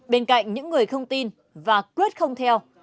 bên cạnh những người không tin và quyết không theo